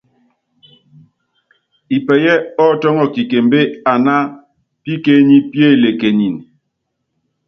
Ipɛyɛ́ ɔ́ tɔ́ŋɔ kikembé aná pikenípíelekinin.